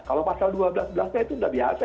kalau pasal dua belas belasnya itu tidak biasa